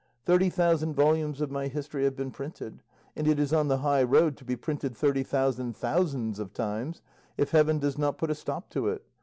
Thirty thousand volumes of my history have been printed, and it is on the high road to be printed thirty thousand thousands of times, if heaven does not put a stop to it.